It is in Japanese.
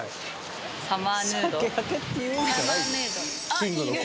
あっいいね。